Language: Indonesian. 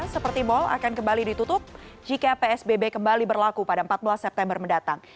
seperti mal akan kembali ditutup jika psbb kembali berlaku pada empat belas september mendatang